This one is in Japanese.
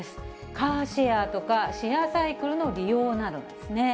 カーシェアとかシェアサイクルの利用などですね。